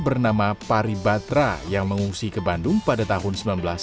bernama paribatra yang mengungsi ke bandung pada tahun seribu sembilan ratus sembilan puluh